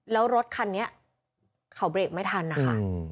แล้วรถคันนี้เขาเบรกไม่ทันนะคะ